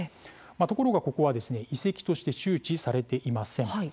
ところがここは遺跡として周知されていません。